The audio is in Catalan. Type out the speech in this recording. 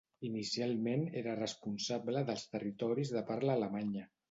Inicialment era responsable dels territoris de parla alemanya.